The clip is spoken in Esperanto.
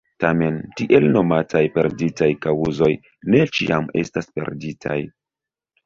Tamen, tiel nomataj perditaj kaŭzoj ne ĉiam estas perditaj.